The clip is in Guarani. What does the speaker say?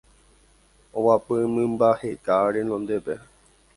Oguapy mymbakeha renondépe